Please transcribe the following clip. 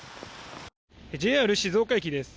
ＪＲ静岡駅です。